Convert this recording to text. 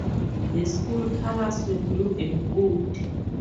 The school colors were blue and gold.